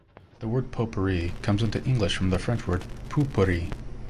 The word "potpourri" comes into English from the French word "pot-pourri".